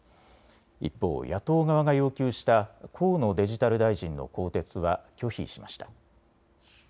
一方、野党側が要求した河野デジタル大臣の更迭は拒否しました。